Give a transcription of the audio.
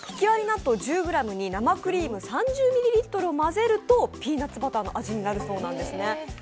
納豆１０ｇに生クリーム３０ミリリットルを合わせるとピーナッツバターの味になるそうなんです。